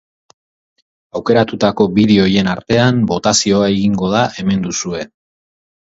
Aukeratutako bideo horien artean botazioa egingo da hemen duzue.